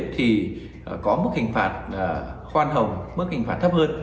thì có mức hình phạt khoan hồng mức hình phạt thấp hơn